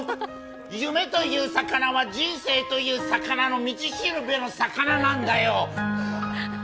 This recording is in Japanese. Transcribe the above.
夢という魚は人生という魚の道しるべの魚なんだよ。